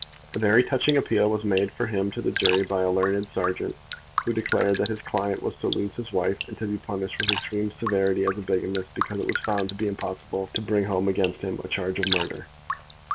A very touching appeal was made for him to the jury by a learned serjeant, who declared that his client was to lose his wife and to be punished with extreme severity as a bigamist, because it was found to be impossible to bring home against him a charge of murder.